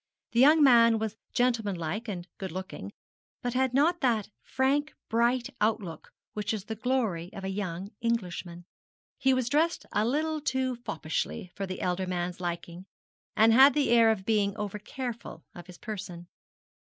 The young man was gentlemanlike and good looking, but had not that frank bright outlook which is the glory of a young Englishman. He was dressed a little too foppishly for the elder man's liking, and had the air of being over careful of his own person.